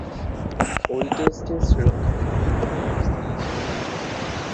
ঐ টেস্টে শ্রীলঙ্কা খুবই ভাল অবস্থানে ছিল।